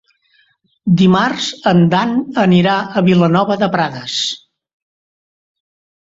Dimarts en Dan anirà a Vilanova de Prades.